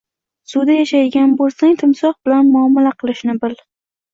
Suvda yashaydigan boʻlsang, timsoh bilan muomala qilishni bil